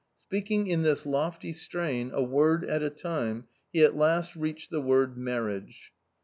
Speaking in this lofty strain, a word at a time, he at last reached the word marriage.